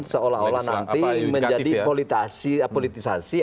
seolah olah nanti menjadi politisasi